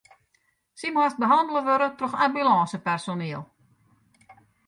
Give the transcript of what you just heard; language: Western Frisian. Sy moast behannele wurde troch ambulânsepersoniel.